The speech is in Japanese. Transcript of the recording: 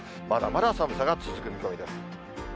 まだまだ寒さが続く見込みです。